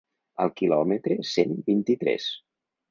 Al quilòmetre cent vint-i-tres.